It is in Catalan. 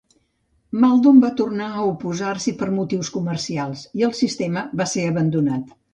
Maldon va tornar a oposar-s'hi per motius comercials i el sistema va ser abandonat.